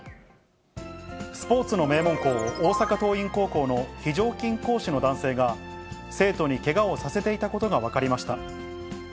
スポーツの名門校、大阪桐蔭高校の非常勤講師の男性が、生徒にけがをさせていたことが分かりました。